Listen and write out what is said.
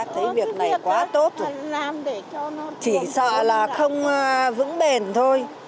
thấy việc này quá tốt chỉ sợ là không vững bền thôi